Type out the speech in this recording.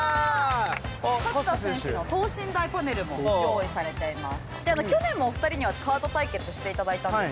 勝田選手の等身大パネルも用意されています。